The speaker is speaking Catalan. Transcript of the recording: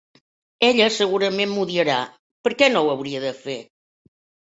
Ella segurament m'odiarà. Per què no ho hauria de fer?